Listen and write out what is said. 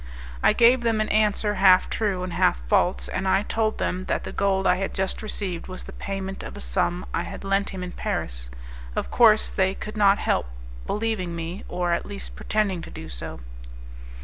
I gave them an answer half true and half false, and I told them that the gold I had just received was the payment of a sum I had lent him in Paris. Of course they could not help believing me, or at least pretending to do so.